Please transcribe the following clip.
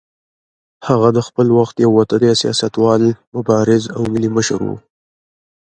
هغه د خپل وخت یو وتلی سیاستوال، مبارز او ملي مشر و.